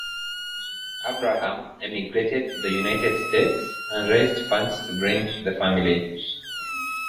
Abraham emigrated to the United States and raised funds to bring the family.